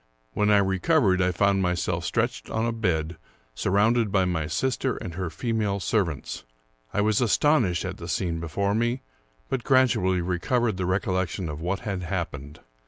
When I recovered, I found myself stretched on a bed, surrounded by my sister and her female servants. I was astonished at the scene before me, but gradually recovered the recollection of what had happened.